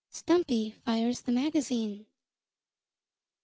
STUMPY FIRES THE MAGAZINE.